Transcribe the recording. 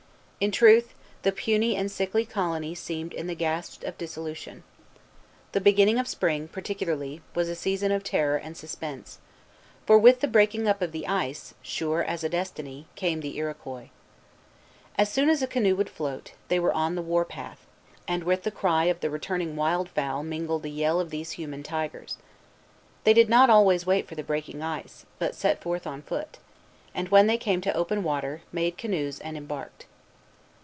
In truth, the puny and sickly colony seemed in the gasps of dissolution. The beginning of spring, particularly, was a season of terror and suspense; for with the breaking up of the ice, sure as a destiny, came the Iroquois. As soon as a canoe could float, they were on the war path; and with the cry of the returning wild fowl mingled the yell of these human tigers. They did not always wait for the breaking ice, but set forth on foot, and, when they came to open water, made canoes and embarked.